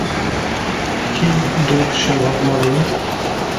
Kî doh şev hat mala we.